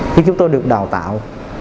khi chúng tôi được đào tạo